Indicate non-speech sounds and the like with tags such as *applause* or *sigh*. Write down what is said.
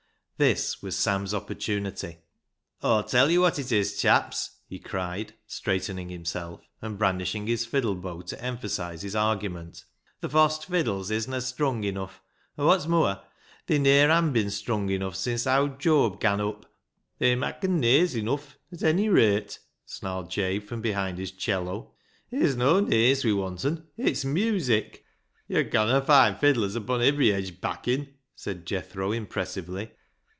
This was Sam's opportunity. " Aw'll tell yo' wot it is, chaps," he cried, straightening himself and brandishing his fiddle bow to emphasise his argument, " th' fost fiddles isna strung enuff, an' wot's mooar, they ne'er han bin strung enuff sin owd Job gan up." " They makken ne} se *noise* enuff, at ony rate," snarled Jabe from behind his 'cello ;" it's no ne)'se we wanten, it's music." " Yo' conna foind fiddlers upo' ivery hedge backin," said Jethro impressively.